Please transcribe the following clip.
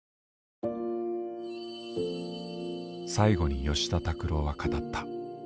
最後に吉田拓郎は語った。